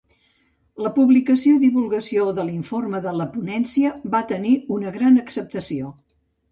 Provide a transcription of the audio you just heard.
La publicació i divulgació de l'Informe de la Ponència va tenir una gran acceptació.